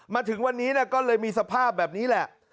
มาถึงวันนี้ก็เลยมีสภาพแบบนี้แหละ